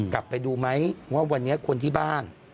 กลับไปดูไหมว่าวันนี้คนที่บ้าน